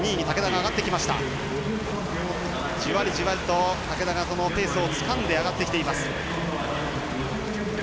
じわりじわりと竹田がペースをつかんで上がってきています。